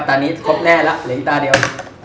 ปั๊บตานี้ครบแน่แล้วเหลือกี๊ตาเดียว